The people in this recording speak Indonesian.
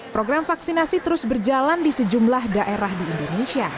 program vaksinasi terus berjalan di sejumlah daerah di indonesia